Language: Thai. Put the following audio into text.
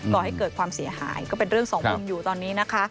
ก่อให้เกิดความเสียหายก็เป็นเรื่องสองมุมอยู่ตอนนี้นะคะ